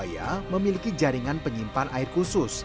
daun lidah buaya memiliki jaringan penyimpan air khusus